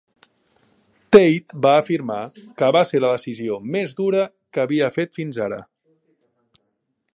Tate va afirmar que va ser la decisió "més dura que havia fet fins ara".